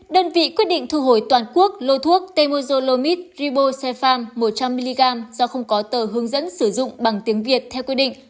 đơn vị quyết định thu hồi toàn quốc lô thuốc temozolomid ribosefam một trăm linh mg do không có tờ hướng dẫn sử dụng bằng tiếng việt theo quy định